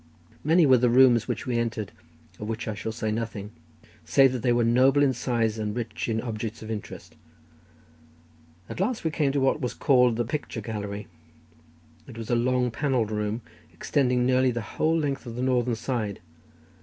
Many were the rooms which we entered, of which I shall say nothing, save that they were noble in size, and rich in objects of interest. At last we came to what was called the picture gallery. It was a long panelled room, extending nearly the whole length of the northern side.